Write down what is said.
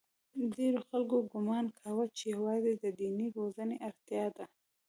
ډېرو خلکو ګومان کاوه چې یوازې د دیني روزنې اړتیا ده.